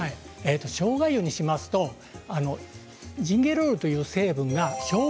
しょうが湯にしますとジンゲロールという成分がショウガ